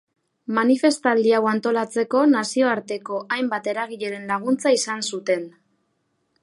Manifestaldi hau antolatzeko nazioarteko hainbat eragileren laguntza izan zuten.